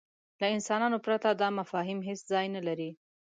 له انسانانو پرته دا مفاهیم هېڅ ځای نهلري.